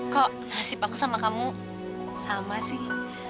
kok nasib aku sama kamu sama sih